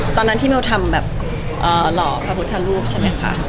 ตอนนั้นที่มิวล่อภาพุทธลูกใช่ไหมคะ